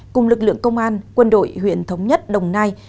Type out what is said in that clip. cùng lực lượng công an quân đội huyện thống nhất đồng nai